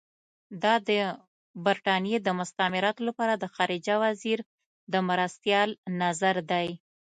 دا د برټانیې د مستعمراتو لپاره د خارجه وزیر د مرستیال نظر دی.